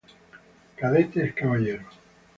Cadetes Caballeros.